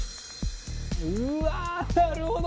うわなるほど。